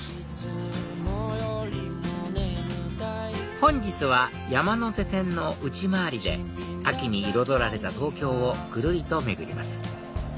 本日は山手線の内回りで秋に彩られた東京をぐるりと巡ります